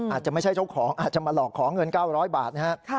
อาจจะไม่ใช่เจ้าของอาจจะมาหลอกขอเงิน๙๐๐บาทนะครับ